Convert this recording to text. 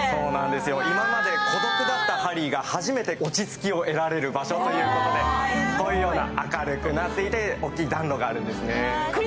今まで孤独だったハリーが初めて落ち着きを得られる場所ということでこういうような明るくなっていて、大きい暖炉があるんですね。